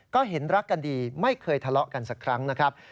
ก็เห็นรักกันดีไม่เคยทะเลาะกันสักครั้งนะครับ